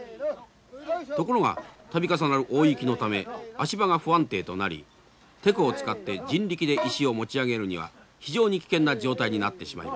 ところが度重なる大雪のため足場が不安定となりテコを使って人力で石を持ち上げるには非常に危険な状態になってしまいました。